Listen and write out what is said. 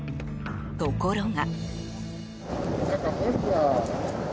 ところが。